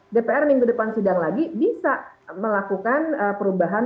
dpr minggu depan sidang lagi bisa melakukan perubahan